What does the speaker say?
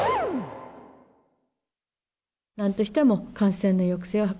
なんとしても感染の抑制を図